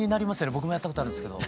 僕もやったことあるんですけど。